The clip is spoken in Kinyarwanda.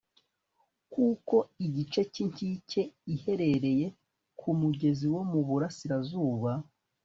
kuko igice cy'inkike iherereye ku mugezi wo mu burasirazuba